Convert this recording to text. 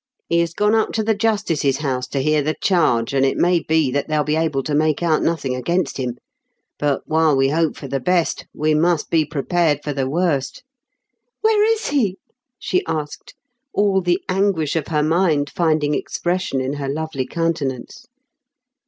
" He has gone up to the justice's house to hear the charge, and it may be that they'll be able to make out nothing against him ; but, while we hope for the best, we must be prepared for the worst." " Where is he ?" she asked, all the anguish of her mind finding expression in her lovely coimtenance.